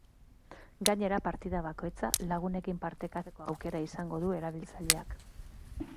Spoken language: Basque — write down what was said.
Gainera, partida bakoitza lagunekin partekatzeko aukera izango du erabiltzaileak.